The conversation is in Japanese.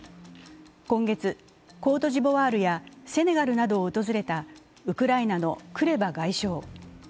今月、コートジボワールやセネガルなどを訪れたウクライナのクレバ外相。